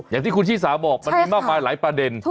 อย่างที่คุณชิสาบอกมันมีมากมายหลายประเด็น